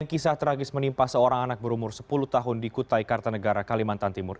kisah tragis menimpa seorang anak berumur sepuluh tahun di kutai kartanegara kalimantan timur